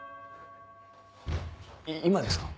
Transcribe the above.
い今ですか？